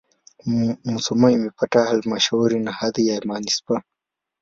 Musoma imepata halmashauri na hadhi ya manisipaa.